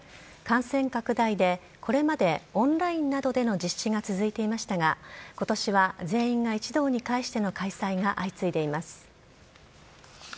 感染拡大でこれまでオンラインなどでの実施が続いていましたが今年は全員が一堂に会しての開催が相次いでいます。